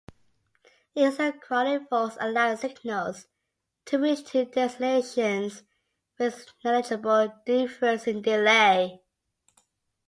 Isochronic forks allow signals to reach two destinations with negligible difference in delay.